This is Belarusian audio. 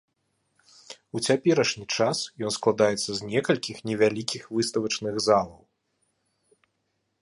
У цяперашні час ён складаецца з некалькіх невялікіх выставачных залаў.